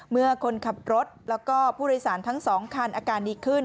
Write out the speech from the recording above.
เมื่อคนขับรถแล้วก็ผู้โดยสารทั้ง๒คันอาการดีขึ้น